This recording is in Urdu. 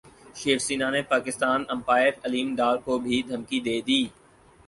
شیو سینا نے پاکستان امپائر علیم ڈار کو بھی دھمکی دے دی